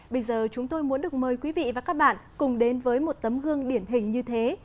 bây giờ chúng tôi muốn được mời quý vị và các bạn cùng đến với một tấm gương điển hình như thế